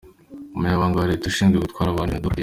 Umunyamabanga wa Leta ushinzwe gutwara abantu n’ibintu, Dr.